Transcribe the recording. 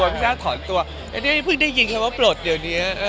เพิ่งได้ยินแล้วว่าปลดเดี๋ยวเนี้ย